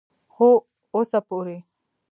خو اوسه پورې